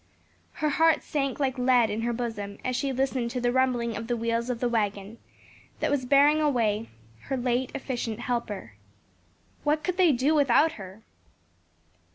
Her heart sank like lead in her bosom, as she listened to the rumbling of the wheels of the wagon that was bearing away her late efficient helper. "What could they do without her?"